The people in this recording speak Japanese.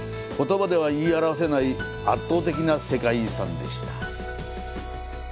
言葉では言い表せない圧倒的な世界遺産でした。